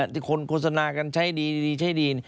ที่คนโฆษณากันใช้ดีใช้ดี